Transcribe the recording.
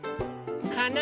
かな